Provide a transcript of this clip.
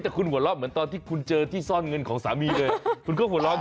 แต่คุณหัวเราะเหมือนตอนที่คุณเจอที่ซ่อนเงินของสามีเลย